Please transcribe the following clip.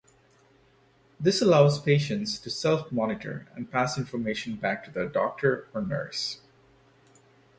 This allows patients to self-monitor and pass information back to their doctor or nurse.